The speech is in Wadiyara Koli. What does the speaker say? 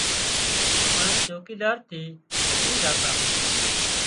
پڻ چوڪيدار ٿي بچي زاتا